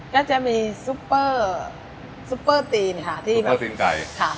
ก็จะมีซุปเปอร์ซุปเปอร์ทีนค่ะที่ซุปเปอร์ทีนไก่ค่ะ